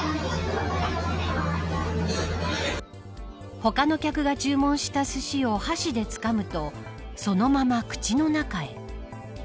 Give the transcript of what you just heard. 他の客が注文したすしを箸でつかむとそのまま口の中へ。